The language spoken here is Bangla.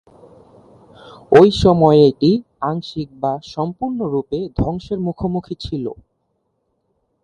ঐ সময়ে এটি আংশিক বা সম্পূর্ণরূপে ধ্বংসের মুখোমুখি ছিল।